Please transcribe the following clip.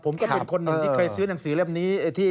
ผมก็เป็นคนหนึ่งที่เคยซื้อหนังสือเล่มนี้